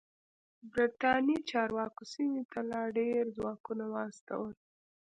برېتانوي چارواکو سیمې ته لا ډېر ځواکونه واستول.